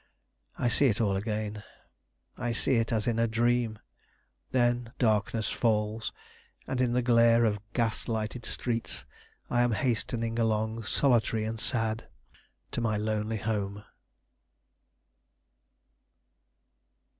I see it all again; I see it as in a dream; then darkness falls, and in the glare of gas lighted streets, I am hastening along, solitary and sad, to my lonely home.